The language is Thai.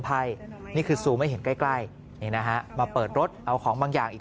ไพ่นี่คือซูมให้เห็นใกล้ใกล้นี่นะฮะมาเปิดรถเอาของบางอย่างอีก